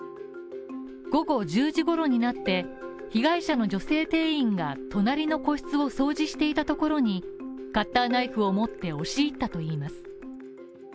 午後１０時ごろになって、被害者の女性店員が隣の個室を掃除していたところにカッターナイフを持って押し入ったといいます